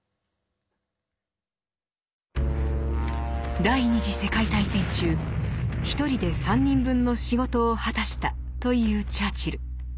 第二次世界大戦中「一人で三人分の仕事を果たした」というチャーチル。